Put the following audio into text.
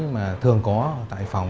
mà thường có tại phòng